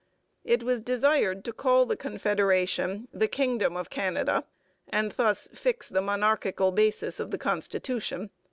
It was desired to call the Confederation the Kingdom of Canada, and thus fix the monarchical basis of the constitution.